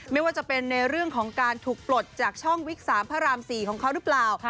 ไม่ว่าจะเป็นในเรื่องของการถูกปลดจากช่องวิก๓พระราม๔ของเขาหรือเปล่า